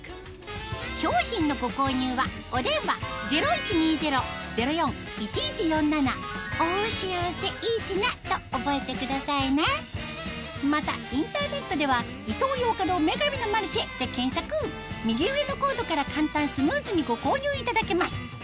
商品のご購入はお電話０１２０−０４−１１４７と覚えてくださいねまたインターネットでは右上のコードから簡単スムーズにご購入いただけます